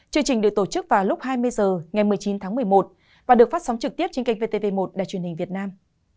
chương trình được tổ chức vào lúc hai mươi h ngày một mươi chín tháng một mươi một và được phát sóng trực tiếp trên kênh vtv một đài truyền hình việt nam